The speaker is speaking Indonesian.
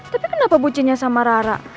tapi kenapa bucinya sama rara